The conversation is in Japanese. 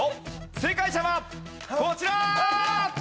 正解者はこちら！